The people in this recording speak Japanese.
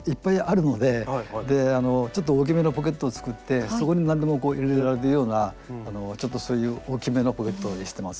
でちょっと大きめのポケットを作ってそこに何でもこう入れられるようなちょっとそういう大きめのポケットにしてます。